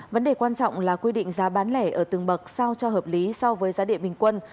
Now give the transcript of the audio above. vấn đề quan trọng là quy định giá bán lẻ ở từng bậc sao cho hợp lý so với giá điện bình quân